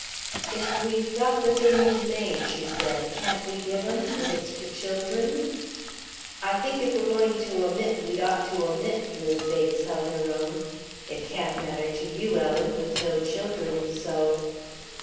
"If we've got the things made," she said, "can't we give 'em? If it's to children?" "I think if we're going to omit, we'd ought to omit," Mis Bates held her own; "it can't matter to you, Ellen, with no children, so...."